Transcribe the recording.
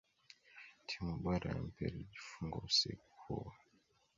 timu bora ya mpira ilifungwa usiku huo